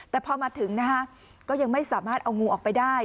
แต่พอมาถึงนะฮะก็ยังไม่สามารถเอางูออกไปได้